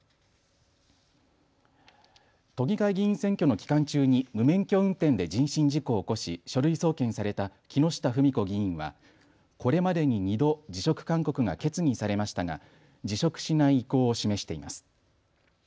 都議会議員選挙の期間中に無免許運転で人身事故を起こし書類送検された木下富美子議員はこれまでに２度、辞職勧告が決議されましたが辞職しない意向を示しています。